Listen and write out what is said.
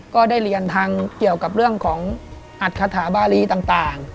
ก็ได้เรียนทางเกี่ยวกับเรื่องของอัตคาถาบารีต่าง